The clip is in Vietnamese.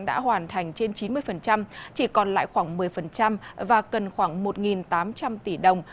đã hoàn thành trên chín mươi chỉ còn lại khoảng một mươi và cần khoảng một tám trăm linh tỷ đồng